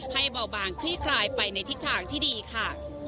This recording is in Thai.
เบาบางคลี่คลายไปในทิศทางที่ดีค่ะ